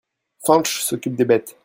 Fañch s'occupe des bêtes.